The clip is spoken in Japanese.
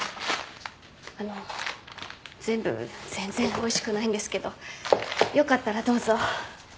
あの全部全然おいしくないんですけどよかったらどうぞ。